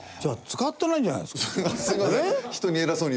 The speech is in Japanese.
使ってないじゃないですか。